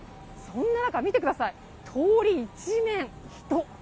そんな中、見てください通り一面、人。